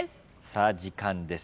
さあ時間です。